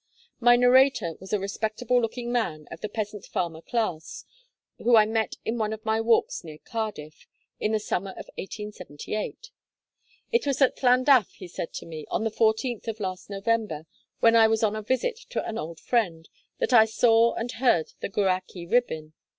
My narrator was a respectable looking man of the peasant farmer class, whom I met in one of my walks near Cardiff, in the summer of 1878. 'It was at Llandaff,' he said to me, 'on the fourteenth of last November, when I was on a visit to an old friend, that I saw and heard the Gwrach y Rhibyn.